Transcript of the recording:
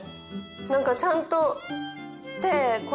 何かちゃんと手。